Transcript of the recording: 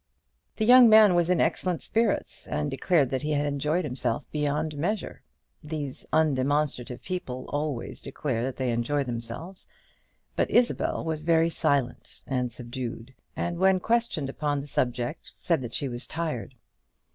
The young man was in excellent spirits, and declared that he had enjoyed himself beyond measure these undemonstrative people always declare that they enjoy themselves but Isabel was very silent and subdued; and when questioned upon the subject, said that she was tired.